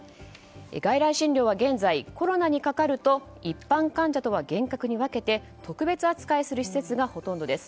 外来診療は現在コロナにかかると一般患者とは厳格に分けて特別扱いする施設がほとんどです。